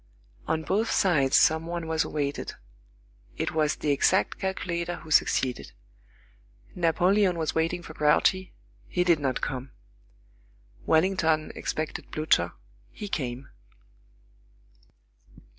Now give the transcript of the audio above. On both sides some one was awaited. It was the exact calculator who succeeded. Napoleon was waiting for Grouchy; he did not come. Wellington expected Blücher; he came.